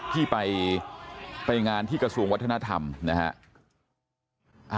ที่ไปงานที่กระทรวงวัฒนธรรมนะฮะ